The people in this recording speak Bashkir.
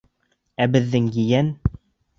Ә беҙҙең ейән...